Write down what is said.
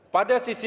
pada sisi lainnya